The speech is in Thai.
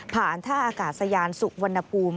ท่าอากาศยานสุวรรณภูมิ